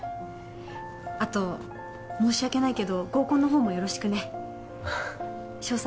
あと申し訳ないけど合コンのほうもよろしくね詳細